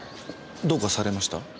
どうかされました？